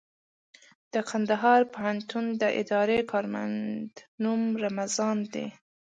د کندهار پوهنتون د اداري کارمند نوم رمضان دئ.